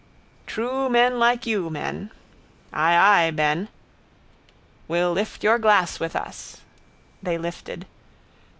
—True men like you men. —Ay, ay, Ben. —Will lift your glass with us. They lifted.